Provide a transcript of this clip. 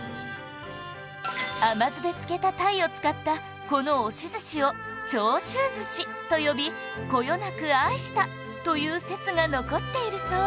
甘酢で漬けた鯛を使ったこの押し寿司を長州寿司と呼びこよなく愛したという説が残っているそう